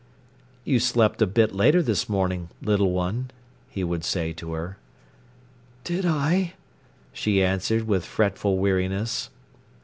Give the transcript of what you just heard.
"You slept a bit later this morning, little one," he would say to her. "Did I?" she answered, with fretful weariness.